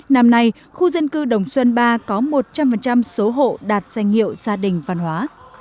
năm nay khu dân cư đồng xuân ba có một trăm linh số hộ đạt danh hiệu gia đình văn hóa